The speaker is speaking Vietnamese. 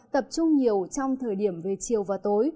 tập trung nhiều trong thời điểm về chiều và tối